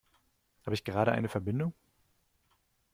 Habe ich gerade eine Verbindung?